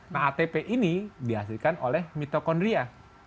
nah atp ini dihasilkan oleh mitokondria